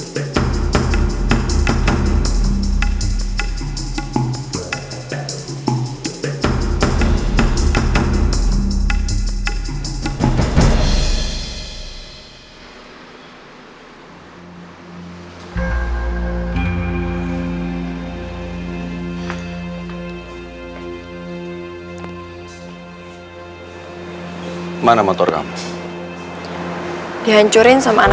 dihancurin sama anak geng motor